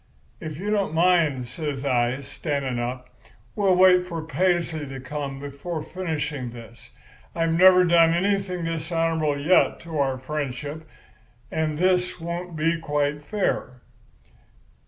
"'If you don't mind,' says I, standing up, 'we'll wait for Paisley to come before finishing this. I've never done anything dishonourable yet to our friendship, and this won't be quite fair.